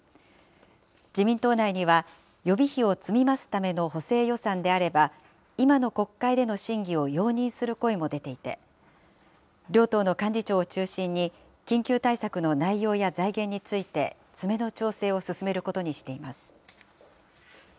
自民党内には、予備費を積み増すための補正予算であれば、今の国会での審議を容認する声も出ていて、両党の幹事長を中心に、緊急対策の内容や財源について、詰めの調整を進めることにしています。